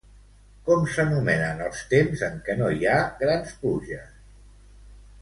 Com s'anomenen els temps en què no hi ha grans pluges?